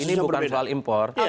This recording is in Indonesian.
ini bukan soal impor